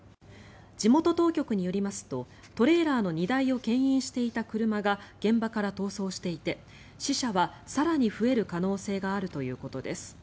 地元当局によりますとトレーラーの荷台をけん引していた車は現場から逃走していて死者は更に増える可能性があるということです。